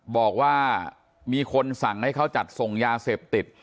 บอกว่ามีคนสั่งให้เขาจัดส่งยาเสพติด